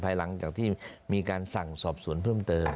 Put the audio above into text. หลังจากที่มีการสั่งสอบสวนเพิ่มเติม